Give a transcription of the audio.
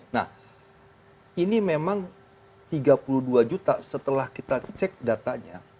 nah ini memang tiga puluh dua juta setelah kita cek datanya